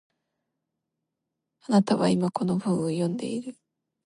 あなたは今、この文を読んでいる